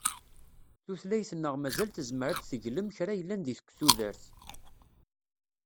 Tutlayt-nneɣ mazal tezmer ad d-teglem kra yellan deg tudert.